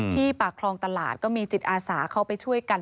ปากคลองตลาดก็มีจิตอาสาเข้าไปช่วยกัน